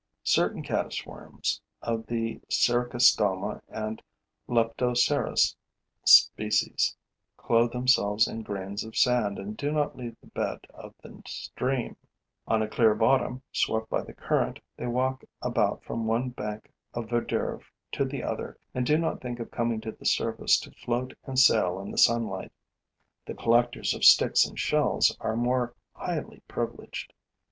Certain caddis worms, of the Sericostoma and Leptocerus species, clothe themselves in grains of sand and do not leave the bed of the stream. On a clear bottom, swept by the current, they walk about from one bank of verdure to the other and do not think of coming to the surface to float and sail in the sunlight. The collectors of sticks and shells are more highly privileged.